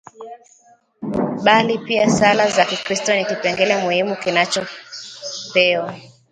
bali pia sala za kikristo ni kipengele muhimu kinachopewa